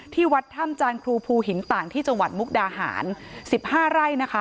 ที่วัดถ้ำจานครูภูหินต่างที่จังหวัดมุกดาหาร๑๕ไร่นะคะ